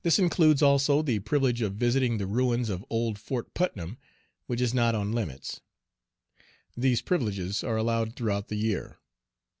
This includes also the privilege of visiting the ruins of old Fort Putnam, which is not on limits. These privileges are allowed throughout the year.